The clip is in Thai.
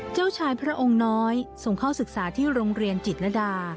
เจ้าชายพระองค์น้อยส่งเข้าศึกษาที่โรงเรียนจิตรดา